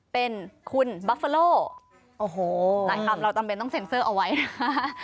เป็นคุณบัฟเฟอโลโอ้โหหลายคำเราจำเป็นต้องเซ็นเซอร์เอาไว้นะคะ